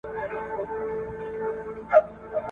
لاړ پر لاړ پېيلي غرونه !.